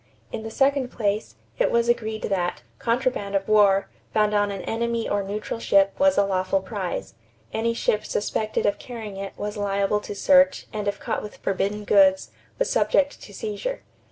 In the second place, it was agreed that "contraband of war" found on an enemy or neutral ship was a lawful prize; any ship suspected of carrying it was liable to search and if caught with forbidden goods was subject to seizure.